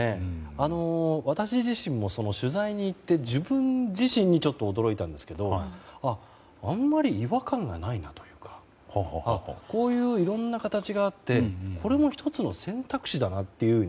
私自身も取材に行って自分自身にちょっと驚いたんですけどあんまり違和感がないなというかこういういろんな形があってこれも１つの選択肢だなと。